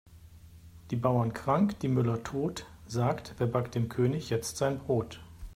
Die Bauern krank, die Müller tot, sagt wer backt dem König jetzt sein Brot?